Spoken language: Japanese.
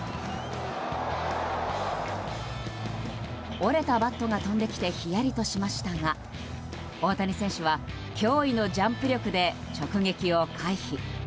折れたバットが飛んできてヒヤリとしましたが大谷選手は驚異のジャンプ力で直撃を回避。